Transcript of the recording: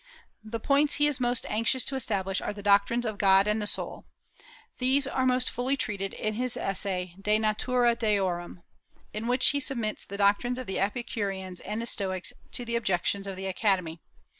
The points he is most anxious to establish are the doctrines of God and the soul. These are most fully treated in his essay "De Natura Deorum," in which he submits the doctrines of the Epicureans and the Stoics to the objections of the Academy.